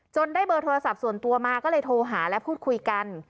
ได้เบอร์โทรศัพท์ส่วนตัวมาก็เลยโทรหาและพูดคุยกัน